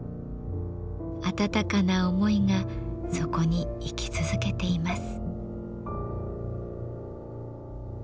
温かな思いがそこに生き続けています。